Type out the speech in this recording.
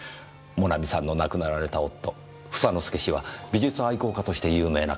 モナミさんの亡くなられた夫房之助氏は美術愛好家として有名な方でした。